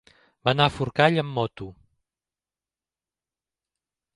Va anar a Forcall amb moto.